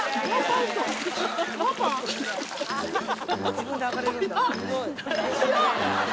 自分で上がれるんだ。